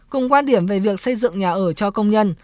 cùng quan điểm về việc xây dựng nhà ở cho công nhân